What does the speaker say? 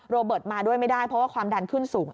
โรเบิร์ตมาด้วยไม่ได้เพราะว่าความดันขึ้นสูง